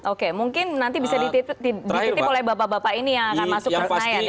oke mungkin nanti bisa dititip oleh bapak bapak ini yang akan masuk ke senayan